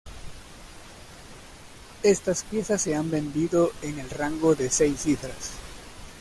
Estas piezas se han vendido en el rango de seis cifras.